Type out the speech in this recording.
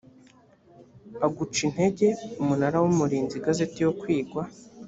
aguca intege umunara w umurinzi igazeti yo kwigwa